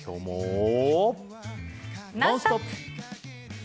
「ノンストップ！」。